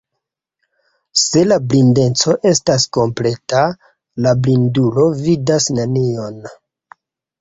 Se la blindeco estas kompleta, la blindulo vidas nenion.